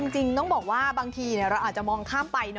จริงต้องบอกว่าบางทีเราอาจจะมองข้ามไป